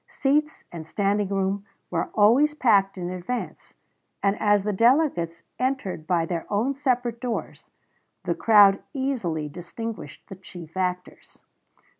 Seats and standing room were always packed in advance, and, as the delegates entered by their own separate doors, the crowd easily distinguished the chief actors.